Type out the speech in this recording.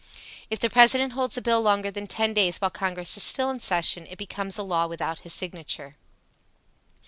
If the President holds a bill longer than ten days while Congress is still in session, it becomes a law without his signature.